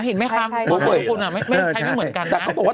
เห็นไหมคะใช่ใช่ทุกคนอ่ะไม่ใช่ไม่เหมือนกันน่ะแต่เขาบอกว่า